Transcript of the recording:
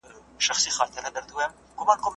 آیا جاپان او جرمني ورته ټولنیز جوړښت لري؟